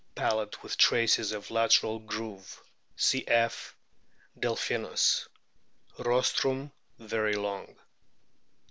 Palate with traces of lateral groove (cf. Delphinus). Rostrum very long.